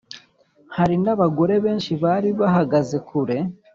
Hariho n abagore benshi bari bahagaze kure